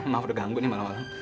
maaf udah ganggu nih malah